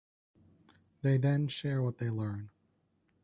They then share what they learn.